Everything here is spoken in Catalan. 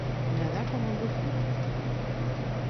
Nedar com un dofí.